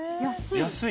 安い。